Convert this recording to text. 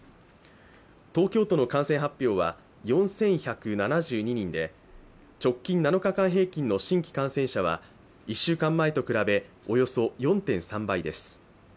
東京都の感染発表は、４１７２人で直近７日間平均の新規感染者は１週間前と比べ、およそ４．３倍です。